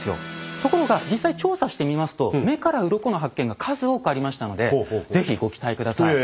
ところが実際調査してみますと目からうろこの発見が数多くありましたので是非ご期待下さい。